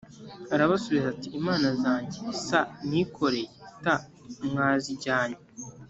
arabasubiza ati imana zanjye s nikoreye t mwazijyanye